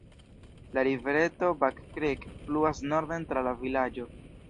La rivereto Back Creek fluas norden tra la vilaĝo.